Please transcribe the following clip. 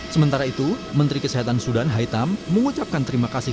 sementara itu menteri kesehatan sudan haitam mengucapkan terima kasih